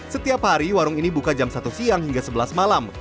setiap hari warung ini buka jam satu siang hingga sebelas malam